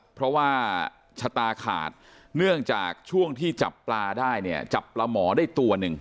เพราะว่าชะตาขาดเนื่องจากช่วงที่จับปลาได้เนี่ยจับปลาหมอได้ตัวหนึ่ง